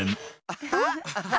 アハハ！